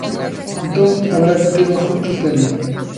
Entón, haberá que ter algún criterio.